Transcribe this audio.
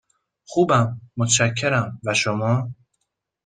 خوبم، متشکرم، و شما؟